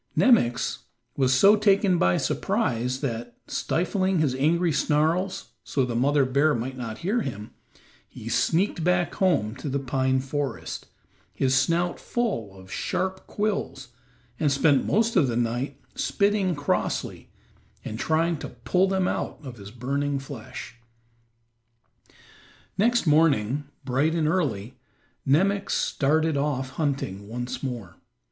Nemox was so taken by surprise that, stifling his angry snarls so the mother bear might not hear him, he sneaked back home to the pine forest, his snout full of sharp quills, and spent most of the night spitting crossly and trying to pull them out of his burning flesh. Next morning, bright and early, Nemox started off hunting once more.